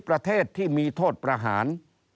ประเทศที่มีโทษประหาร